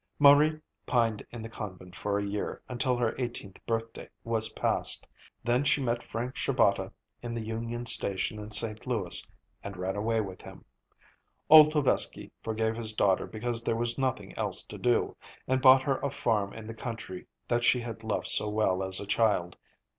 Marie pined in the convent for a year, until her eighteenth birthday was passed. Then she met Frank Shabata in the Union Station in St. Louis and ran away with him. Old Tovesky forgave his daughter because there was nothing else to do, and bought her a farm in the country that she had loved so well as a child.